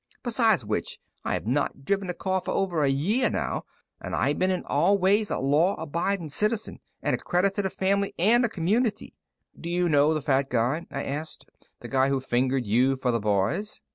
Besides which, I have not driven a car for over a year now, and I have been in all ways a law abiding citizen and a credit to the family and the community." "Do you know the fat guy?" I asked. "The guy who fingered you for the boys?"